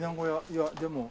いやでも。